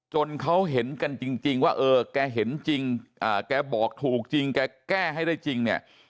จนเขาเห็นกันจริงว่าเออแกเห็นจริงแกบอกถูกจริงแกแก้ให้ได้จริงเนี่ย